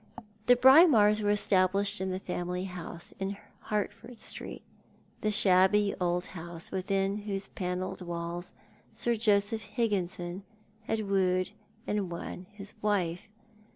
The Braemars were established in the family house in Hert ford Street, the shabby old house within whose panelled walls Sir Joseph Higginson had wooed and won his wife.